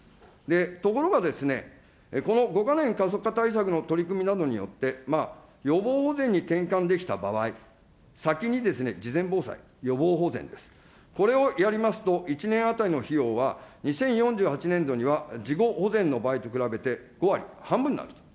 ところがですね、この５か年加速化対策の取り組みなどによって、予防保全に転換できた場合、先に事前防災、予防保全です、これをやりますと、１年当たりの費用は、２０４８年度には、事後保全の場合と比べて５割、半分になると。